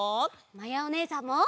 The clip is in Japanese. まやおねえさんも！